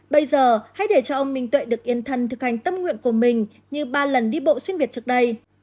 bây giờ hãy để cho ông minh tuệ được yên thân thực hành tâm nguyện của mình như ba lần đi bộ xuyên việt trước đây